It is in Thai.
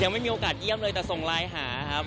ไม่มีโอกาสเยี่ยมเลยแต่ส่งไลน์หาครับ